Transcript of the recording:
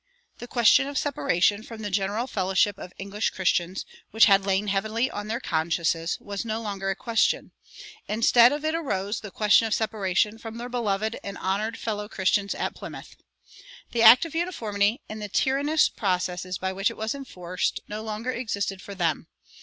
The question of separation from the general fellowship of English Christians, which had lain heavily on their consciences, was no longer a question; instead of it arose the question of separation from their beloved and honored fellow Christians at Plymouth. The Act of Uniformity and the tyrannous processes by which it was enforced no longer existed for them.